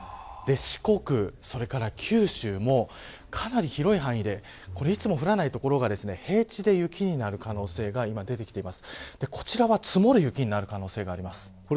四国、それから九州もかなり広い範囲でいつも降らない所が平地で雪になる可能性が今、出てきています。